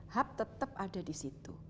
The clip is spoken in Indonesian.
hub tetap ada di situ